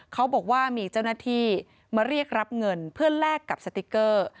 เขาบอกว่ามีเจ้าหน้าที่มาเรียกรับเงินเพื่อแลกกับสติ๊กเกอร์